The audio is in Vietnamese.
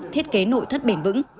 thiết kế nội thất bền vững